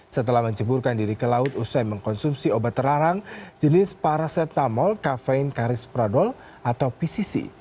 setelah menceburkan diri ke laut usai mengkonsumsi obat terlarang jenis paracetamol kafein karis pradol atau pcc